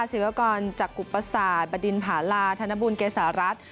ศิวากรจากกุปศาสตร์บดินผาลาธนบุญเกษารัฐ